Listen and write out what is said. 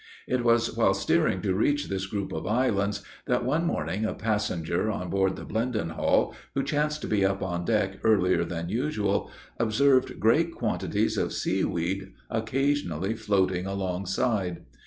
It was while steering to reach this group of islands, that, one morning a passenger, on board the Blendenhall, who chanced to be up on deck earlier than usual, observed great quantities of seaweed occasionally floating alongside.